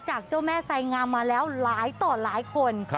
เจ้าแม่ไสงามมาแล้วหลายต่อหลายคน